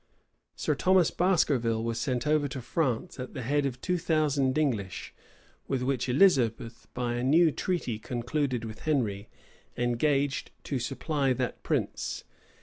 Sir Thomas Baskerville was sent over to France at the head of two thousand English, with which Elizabeth, by a new treaty concluded with Henry, engaged to supply that prince.